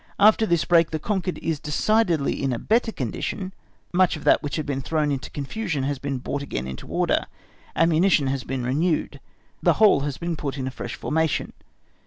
After this break the conquered is decidedly in a better condition; much of that which had been thrown into confusion has been brought again into order, ammunition has been renewed, the whole has been put into a fresh formation.